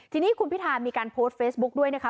ทีนี้คุณพิธามีการโพสต์เฟซบุ๊กด้วยนะคะ